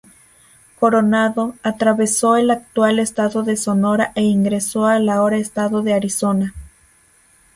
Coronado atravesó el actual estado de Sonora e ingresó al ahora estado de Arizona.